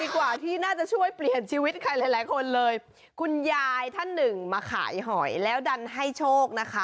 คุณอยายท่านหนึ่งมาขายหอยแล้วดันให้โชคนะคะ